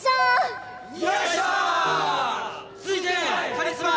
・カリスマ。